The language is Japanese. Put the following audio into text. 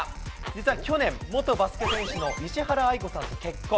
実は去年、元バスケ選手の石原愛子さんと結婚。